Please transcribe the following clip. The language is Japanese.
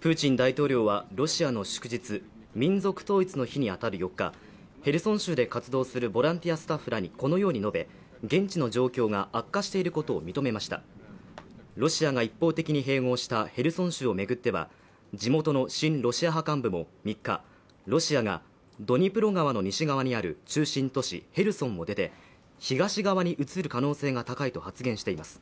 プーチン大統領はロシアの祝日民族統一の日に当たる４日ヘルソン州で活動するボランティアスタッフらにこのように述べ現地の状況が悪化していることを認めましたロシアが一方的に併合したヘルソン州をめぐっては地元の親ロシア派幹部も３日ロシアがドニプロ川の西側にある中心都市ヘルソンを出て東側に移る可能性が高いと発言しています